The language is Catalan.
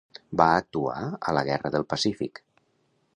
Va actuar a la Guerra del Pacífic.